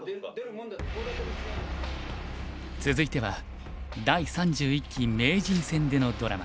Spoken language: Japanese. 続いては第３１期名人戦でのドラマ。